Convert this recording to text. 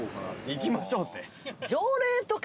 「行きましょう」って。